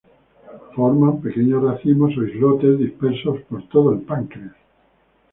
Forman pequeños racimos o islotes, dispersos por todo el páncreas.